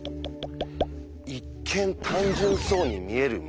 一見単純そうに見える「無限」。